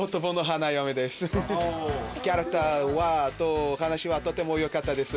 キャラクターはお話はとてもよかったです